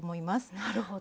なるほど。